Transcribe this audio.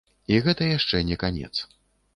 І гэта яшчэ не канец.